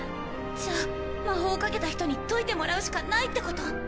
じゃあ魔法をかけた人に解いてもらうしかないってこと？